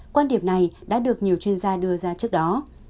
quan điểm này đã được nhiều chuyên gia đưa ra trước đó